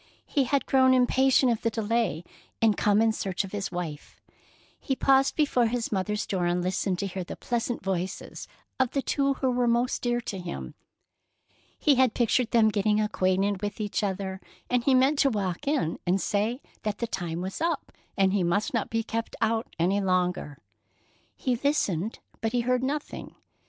He had grown impatient of the delay, and come in search of his wife. He paused before his mother's door and listened to hear the pleasant voices of the two who were most dear to him. He had pictured them getting acquainted with each other, and he meant to walk in and say that the time was up and he must not be kept out any longer. He listened, but he heard nothing.